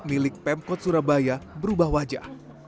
milik pemkot surabaya berubah wajah